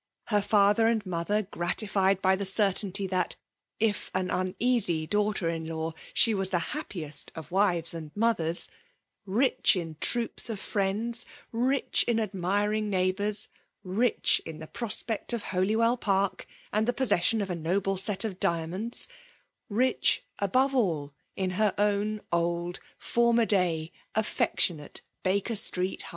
— Her father and mother gratified by the certainty that, if an uneasy daughter in law, she was the happiest of wives and mothers ;— rich in troops of friends, — rich in admiring neighbours, — rich in the prospect of Holywell Park, and the possession of a noble set of diamonds; rich, above all, in her own old, former day, affectionate, Baker Street heart, — VOL.